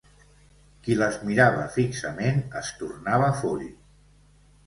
Qui les mirava fixament es tornava foll.